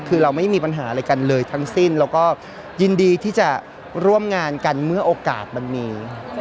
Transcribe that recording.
คือเราไม่มีปัญหาอะไรกันเลยทั้งสิ้นเราก็ยินดีที่จะร่วมงานกันเมื่อโอกาสมันมีครับ